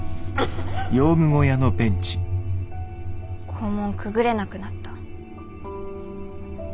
校門くぐれなくなった。